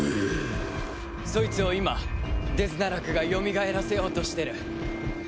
そいつを今デズナラクがよみがえらせようとしてる。